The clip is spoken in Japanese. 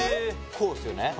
こうっすよね？